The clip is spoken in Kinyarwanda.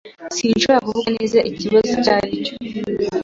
Sinshobora kuvuga neza ikibazo icyo ari cyo.